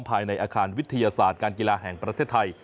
ภายในอาคารวิทยาศาสตร์การกีฬาแห่งประเทศไทย